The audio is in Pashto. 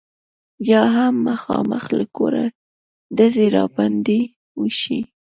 یا هم مخامخ له کوره ډزې را باندې وشي.